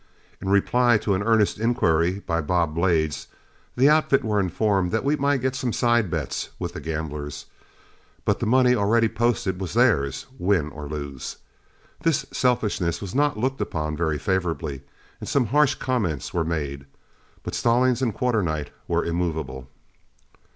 In reply to an earnest inquiry by Bob Blades, the outfit were informed that we might get some side bets with the gamblers, but the money already posted was theirs, win or lose. This selfishness was not looked upon very favorably, and some harsh comments were made, but Stallings and Quarternight were immovable.